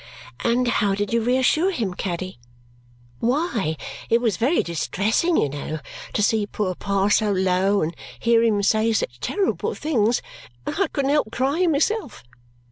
'" "And how did you reassure him, Caddy?" "Why, it was very distressing, you know, to see poor Pa so low and hear him say such terrible things, and I couldn't help crying myself.